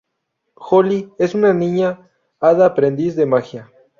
Holly es una niña hada aprendiz de magia.